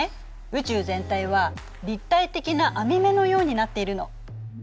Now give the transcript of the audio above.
宇宙全体は立体的な網目のようになっているの。